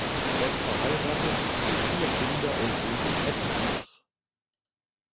Er ist verheiratet, hat vier Kinder und wohnt in Edlibach.